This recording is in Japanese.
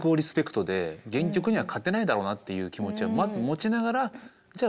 原曲には勝てないだろうなっていう気持ちはまず持ちながらじゃあ